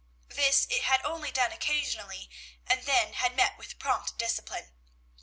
This it had only done occasionally, and then had met with prompt discipline.